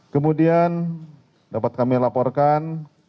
kemudian dapat kami laporkan